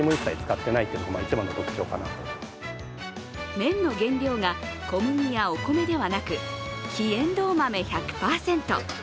麺の原料が小麦やお米ではなく黄えんどう豆１００％。